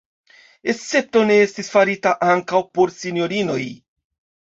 Escepto ne estis farita ankaŭ por sinjorinoj.